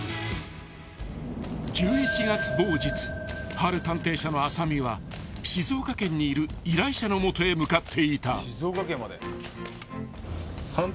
［ＨＡＬ探偵社の浅見は静岡県にいる依頼者の元へ向かっていた］